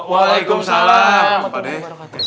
wah tuh negek nya udahograp asyum p hundreds